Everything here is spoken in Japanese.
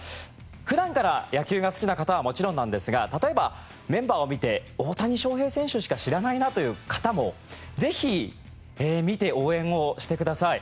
普段から野球が好きな方はもちろんなんですが例えばメンバーを見て大谷翔平選手しか知らないなという方もぜひ見て応援をしてください。